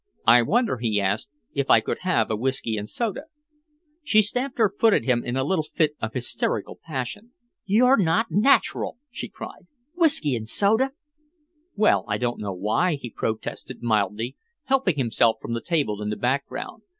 "I wonder," he asked, "if I could have a whisky and soda?" She stamped her foot at him in a little fit of hysterical passion. "You're not natural!" she cried. "Whisky and soda!" "Well, I don't know," he protested mildly, helping himself from the table in the background.